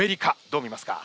どう見ますか？